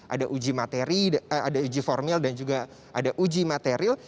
ada uji materi ada uji formil dan juga ada uji material